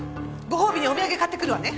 ご褒美にお土産買ってくるわね。